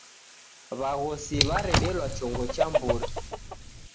W'aghosi w'aredelwa chongo cha mburi.